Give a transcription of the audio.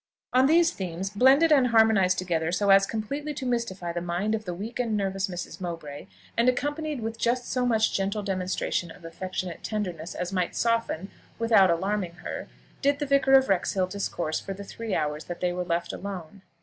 On these themes, blended and harmonised together so as completely to mystify the mind of the weak and nervous Mrs. Mowbray, and accompanied with just so much gentle demonstration of affectionate tenderness as might soften, without alarming her, did the Vicar of Wrexhill discourse for the three hours that they were left alone.